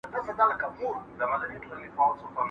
¬ د پردي زوى نه خپله کر مېږنه لور لا ښه ده.